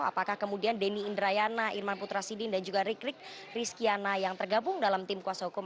apakah kemudian deni indrayana irman putra sidin dan juga rikrik rizkyana yang tergabung dalam tim kuasa hukum